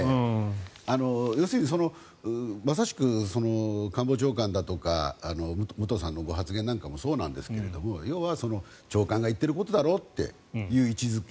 要するにまさしく官房長官だとか武藤さんのご発言なんかもそうなんですけど要は、長官が言っていることだろという位置付け。